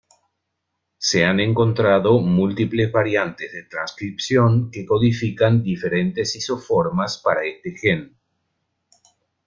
Se han encontrado múltiples variantes de transcripción que codifican diferentes isoformas para este gen.